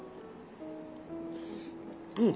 うん。